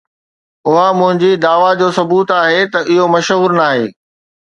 اها منهنجي دعويٰ جو ثبوت آهي ته اهو مشهور ناهي